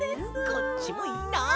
こっちもいいな！